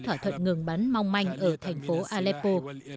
thỏa thuận ngừng bắn mong manh ở thành phố aleppo